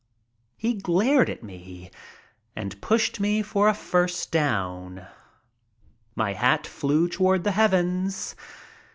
He glared at me and pushed me for a "first down." My hat flew toward the heavens.